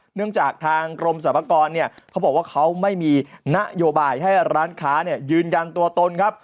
เนื่องจากทางกรมสรรพากรเขาบอกว่าเขาไม่มีนโยบายให้ร้านค้ายืนยันตัวตนครับ